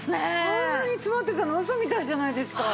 あんなに詰まってたのウソみたいじゃないですか。